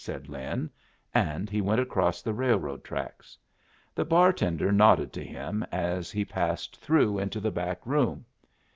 said Lin, and he went across the railroad tracks. The bartender nodded to him as he passed through into the back room.